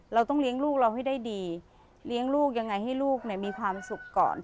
เราต้องเลี้ยงลูกเราให้ได้ดีเลี้ยงลูกยังไงให้ลูกมีความสุขก่อน